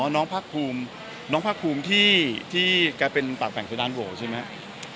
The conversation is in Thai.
น้องภาคภูมิที่กลายเป็นปากแฝงสุดานโหใช่ไหม